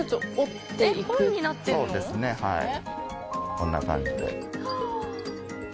こんな感じで。